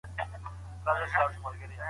هغه په خپله کوټه کې د ابدیت بوی احساس کړ.